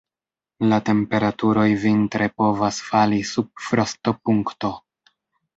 La temperaturoj vintre povas fali sub frostopunkto.